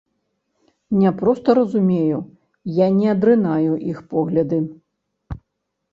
Не проста разумею, я не адрынаю іх погляды.